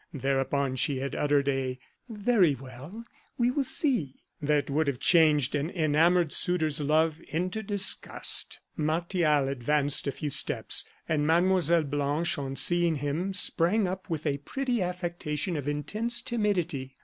Thereupon she had uttered a "very well, we will see!" that would have changed an enamoured suitor's love into disgust. Martial advanced a few steps, and Mlle. Blanche, on seeing him, sprang up with a pretty affectation of intense timidity.